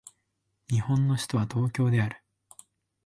日本の首都は東京である